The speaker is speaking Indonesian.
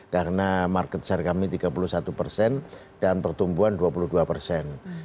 karena market share kami tiga puluh satu persen dan pertumbuhan dua puluh dua persen